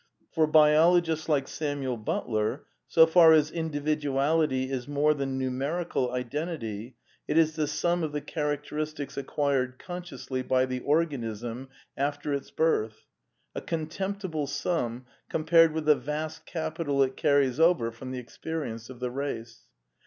For biologists like Samuel Butler, so far as individuality is more than numerical identity, it is the sum of the char acteristics acquired consciously by the organism after its birth,— a contemptible sum compared with the vast capi .^^ tal it carries over from the experience of the race.